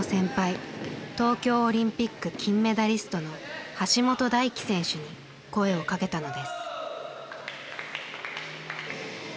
東京オリンピック金メダリストの橋本大輝選手に声をかけたのです。